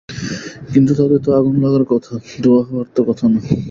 কিন্তু তাতে তো আগুন লাগার কথা, ধোয়া হওয়ার তো কথা না।